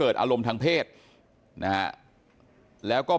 ทีมข่าวเราก็พยายามสอบปากคำในแหบนะครับ